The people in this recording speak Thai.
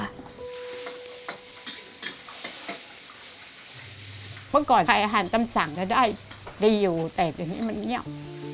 เมื่อก่อนใครอาหารตำสั่งจะได้ได้อยู่แต่จนทีมันเงียบ